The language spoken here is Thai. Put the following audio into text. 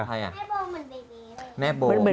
แม่โบเหมือนเบเบเลย